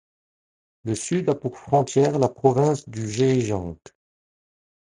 Le sud a pour frontière la province du Zhejiang.